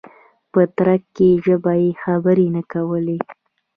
په ترکي ژبه یې خبرې نه کولې.